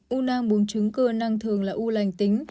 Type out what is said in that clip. u nang buông trứng cơ nang thường là u lành tính